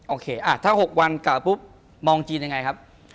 โอเคถ้า๖วันเก่าปุ๊บมองจีนยังไงครับ